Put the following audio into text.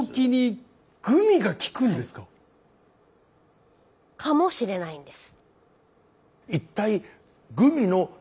かもしれないんです。